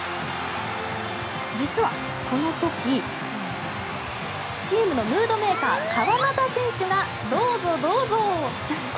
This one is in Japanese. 実は、この時チームのムードメーカー川真田選手がどうぞどうぞ。